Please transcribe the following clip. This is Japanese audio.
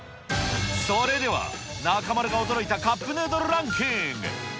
それでは、中丸が驚いたカップヌードルランキング。